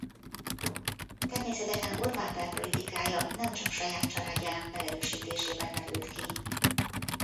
Természetesen Orbán belpolitikája nemcsak saját családjának megerősítésében merült ki.